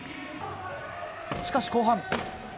しかし、後半。